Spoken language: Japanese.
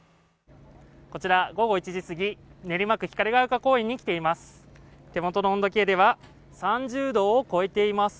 こちら午後１時すぎ、練馬区光が丘公園に来ています。